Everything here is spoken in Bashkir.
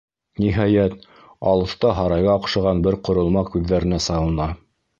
Ниһайәт, алыҫта һарайға оҡшаған бер ҡоролма күҙҙәренә салына.